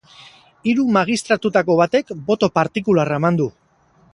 Hiru magistratuetako batek boto partikularra eman du.